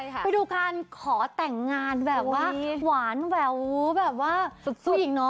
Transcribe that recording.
ไปดูการขอแต่งงานแบบว่าหวานแหววแบบว่าสุดเนาะ